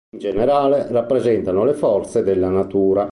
In generale rappresentano le forze della natura.